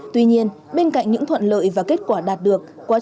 tuy nhiên bên cạnh những thuận lợi và kết quả đạt được